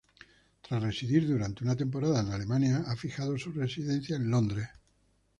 Tras residir durante una temporada en Alemania, ha fijado su residencia en Londres.